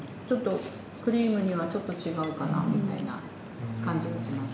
クリームにはちょっと違うかなみたいな感じがします。